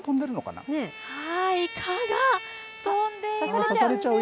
蚊が飛んでいますね。